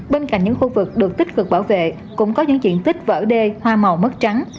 bên cạnh những khu vực được tích cực bảo vệ cũng có những diện tích vỡ đê hoa màu mất trắng